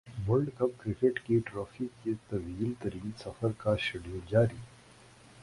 world cup cricket کی trophy کے طویل ترین سفر کا شیڈول جاری